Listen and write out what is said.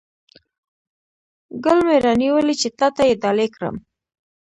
ګل مې را نیولی چې تاته یې ډالۍ کړم